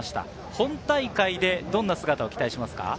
本大会でどんな姿を期待しますか？